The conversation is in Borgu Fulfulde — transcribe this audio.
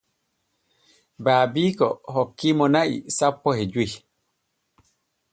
Baabiiko hoki mo na'i sanpo e joy.